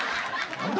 何だ？